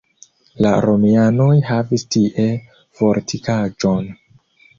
La romianoj havis tie fortikaĵon.